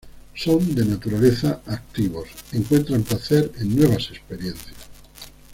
Son de naturaleza activos, encuentran placer en nuevas experiencias.